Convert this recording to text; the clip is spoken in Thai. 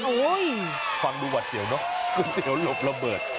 โอ้ยฟังดูก๋วยเตี๋ยวเนอะก๋วยเตี๋ยวลบระเบิด